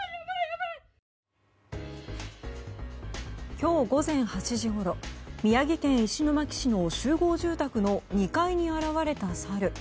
今日午前８時ごろ宮城県石巻市の集合住宅の２階に現れたサル。